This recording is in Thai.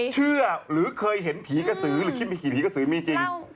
เชื่อหรือเคยเห็นผีกสือคิดมีผีกสือมีจริง